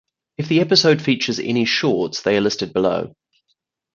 If the episode features any shorts, they are listed below.